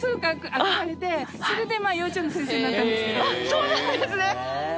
そうなんですね！